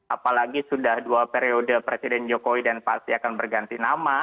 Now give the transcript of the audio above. apalagi sudah dua periode presiden jokowi dan pasti akan berganti nama